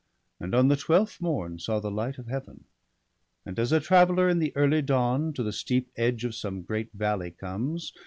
And on the twelfth morn saw the light of Heaven. And as a traveller in the early dawn To the steep edge of some great valley comes.